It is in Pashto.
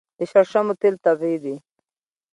د شړشمو تیل طبیعي دي.